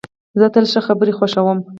زه تل ښې خبري خوښوم.